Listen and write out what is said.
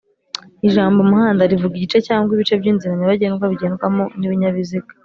Ijambo ‘’umuhanda’’,rivuga igice cyangwa ibice by’inzira nyabagendwa bigendwamo n’ibinyabiziga